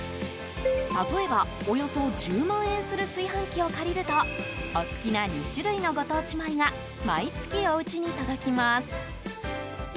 例えば、およそ１０万円する炊飯器を借りるとお好きな２種類のご当地米が毎月おうちに届きます。